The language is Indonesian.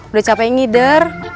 udah capek nginir